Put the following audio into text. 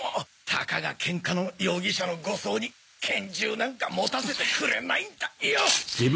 たかがケンカの容疑者の護送に拳銃なんか持たせてくれないんだよ！